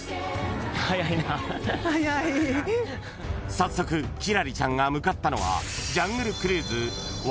［早速輝星ちゃんが向かったのは］